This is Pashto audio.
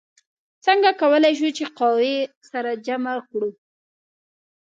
څنګه کولی شو چې قوې سره جمع کړو؟